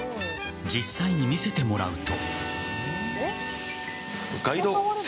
実際に見せてもらうと。